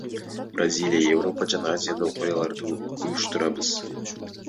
Бразилия, Европа жана Азияда окуяларды уюштурабыз.